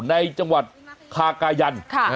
ในจังหวัดคากายัน